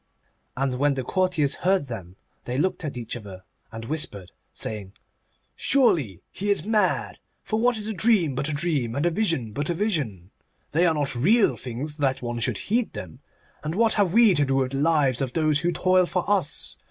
And when the courtiers heard them they looked at each other and whispered, saying: 'Surely he is mad; for what is a dream but a dream, and a vision but a vision? They are not real things that one should heed them. And what have we to do with the lives of those who toil for us?